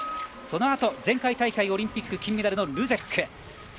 そのあと前回大会オリンピック金メダルのルゼック。